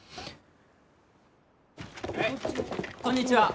こんにちは！